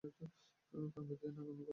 কামড়ে দিয়ে নাকামি করতে এলেন।